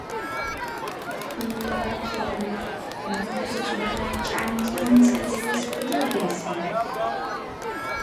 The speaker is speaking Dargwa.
ХӀуни гьарахълибад бихуси цӀудара чӀянкӀи имцӀали селис пайдалабиэсила?